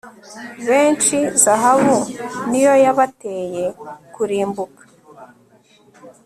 benshi zahabu ni yo yabateye kurimbuka